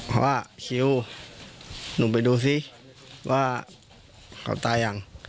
เขาว่าชิลล์หนูไปดูซิว่าเขาตายยัง